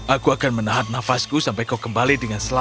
aku akan menahat nafasku sampai kau kembali